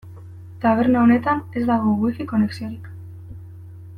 Taberna honetan ez dago Wi-Fi konexiorik.